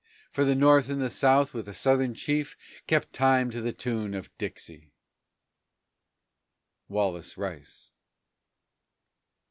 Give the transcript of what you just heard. For the North and South, with a Southron chief, Kept time to the tune of "Dixie." WALLACE RICE.